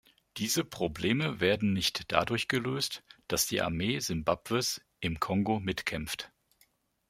Diese Probleme werden nicht dadurch gelöst, dass die Armee Simbabwes im Kongo mitkämpft.